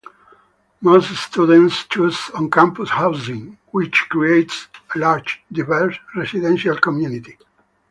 Most students choose on-campus housing, which creates a large, diverse residential community.